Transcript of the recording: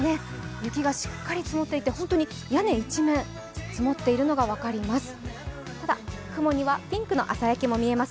雪がしっかり積もっていて屋根一面、積もっているのが分かります。